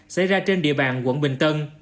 xảy ra trên địa bàn quận bình tân